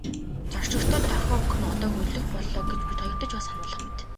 Зорчигчдод дохио өгөх нь одоо хөдлөх боллоо гэж бид хоёрт ч бас сануулах мэт.